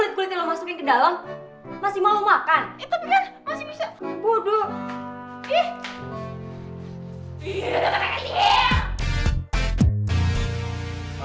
ih udah kena kesehatan